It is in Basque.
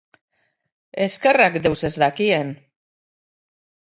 Eskerrak deus ez dakien!